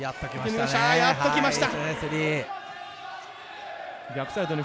やっと、きました！